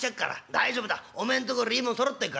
大丈夫だお前んとこよりいいもんそろってるから。